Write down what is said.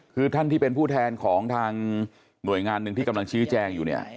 คือท่านที่เป็นผู้แทนของทางหน่วยงานหนึ่งที่กำลังชี้แจงอยู่เนี่ย